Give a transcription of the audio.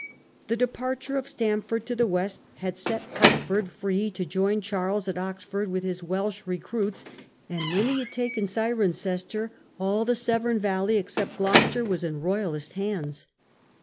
The departure of Stamford to the West had set Hertford ROYALIST VICTORIES. 45 free to join Charles at Oxford with his Welsh recruits, and when he had taken Cirencester, all the Severn Valley, except Gloucester, was in Royalist hands.